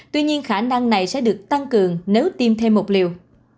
tuy nhiên khả năng này sẽ được tăng cường nếu tiêm thêm một liều